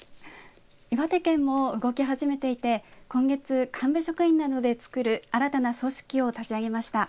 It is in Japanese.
岩手県も動き始めていて今月幹部職員などで作る新たな組織を立ち上げました。